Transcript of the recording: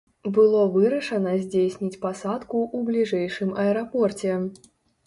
Было вырашана здзейсніць пасадку ў бліжэйшым аэрапорце.